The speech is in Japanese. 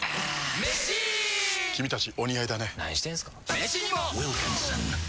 メシにも！